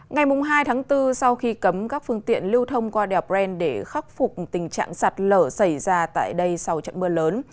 ngày hai tháng bốn sau khi cấm các phương tiện lưu thông qua đèo bren để khắc phục tình trạng sạt lở xảy ra tại đây sau trận mưa lớn